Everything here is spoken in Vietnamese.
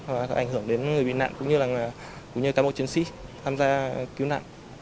và có ảnh hưởng đến người bị nạn cũng như các bộ chiến sĩ tham gia cứu nạn